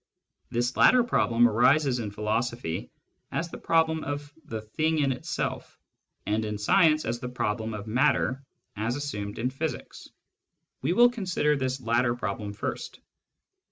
This latter problem arises in philosophy as the problem of the " thing in itself," and in science as the problem of matter as assumed in physics. We will consider this latter problem first.